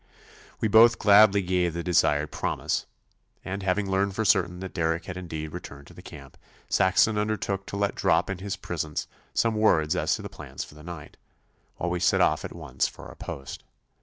We both gladly gave the desired promise; and having learned for certain that Derrick had indeed returned to the camp, Saxon undertook to let drop in his presence some words as to the plans for the night, while we set off at once for our post.